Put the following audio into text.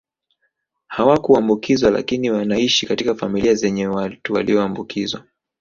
Hawakuambukizwa lakini wanaishi katika familia zenye watu waliombukizwa